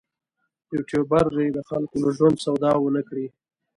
یوټوبر دې د خلکو له ژوند سودا ونه کړي.